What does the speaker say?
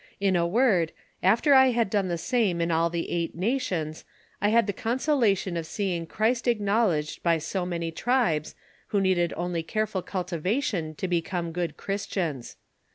In a word, after I had done the same in all the eight nations, I had the consolation of seeing Christ acknowledged by so many tribes, who needed only careful cultivation to become good Christians.